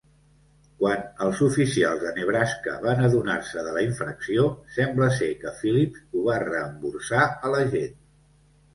Quan els oficials de Nebraska van adonar-se de la infracció, sembla ser que Phillips ho va reemborsar a l'agent.